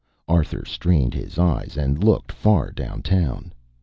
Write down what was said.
Arthur strained his eyes and looked far down town.